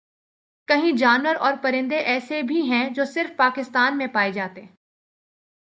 کہیں جانور اور پرندے ایسے بھی ہیں جو صرف پاکستان میں پائے جاتے